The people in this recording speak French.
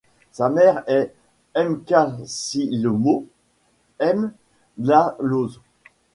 Sa mère est Mkasilomo Mdlalose.